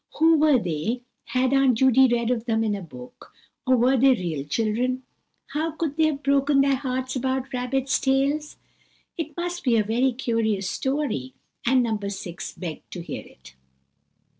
Who were they? Had Aunt Judy read of them in a book, or were they real children? How could they have broken their hearts about rabbits' tails? It must be a very curious story, and No. 6 begged to hear it.